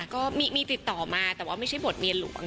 ก็มีติดต่อมาแต่ว่าไม่ใช่บทเมียหลวง